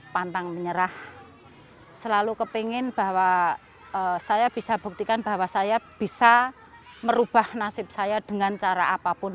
pantang menyerah selalu kepingin bahwa saya bisa buktikan bahwa saya bisa merubah nasib saya dengan cara apapun